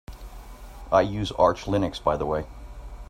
I use Arch Linux by the way.